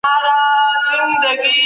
د ولسي جرګي دنده څه ده؟